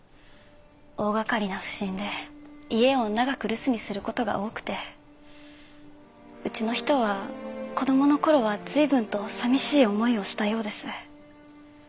大がかりな普請で家を長く留守にする事が多くてうちの人は子どもの頃は随分とさみしい思いをしたようです。